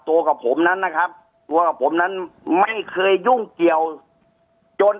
กับผมนั้นนะครับตัวกับผมนั้นไม่เคยยุ่งเกี่ยวจน